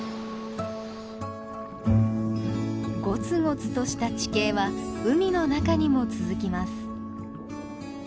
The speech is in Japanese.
ゴツゴツとした地形は海の中にも続きます。